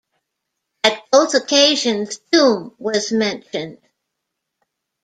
At both occasions, Doom was mentioned.